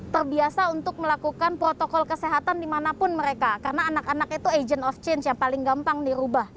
terbiasa untuk melakukan protokol kesehatan dimanapun mereka karena anak anak itu agent of change yang paling gampang dirubah